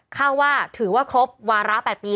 เข้าว่าถือว่าครบวาระ๘ปี